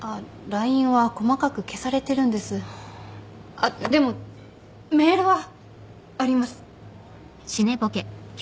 あっでもメールはあります。